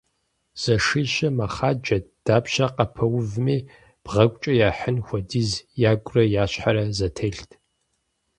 Зэшищыр мэхъаджэт, дапщэ къапэувми бгъэгукӀэ яхьын хуэдизу ягурэ я щхьэрэ зэтелът.